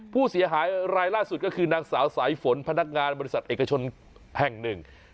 ผู้เสียหายรายล่าสุดก็คือนางสาวสายฝนพนักงานบริษัทเอกชนแห่งหนึ่ง